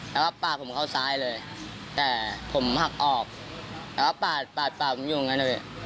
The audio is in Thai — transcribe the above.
แล้วก็ปาดผมเข้าซ้ายเลยแต่ผมหักออกแล้วก็ปาดปาดปากผมอยู่อย่างนั้นนะพี่